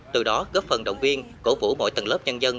từ đó góp phần động viên cổ vũ mọi tầng lớp nhân dân